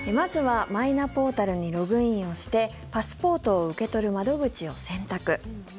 まずはマイナポータルにログインをしてパスポートを受け取る窓口を選択。